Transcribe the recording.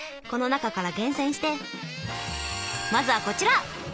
この中から厳選してまずはこちら！